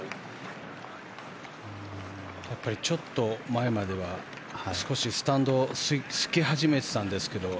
やっぱりちょっと前までは少しスタンドもすき始めていたんですが。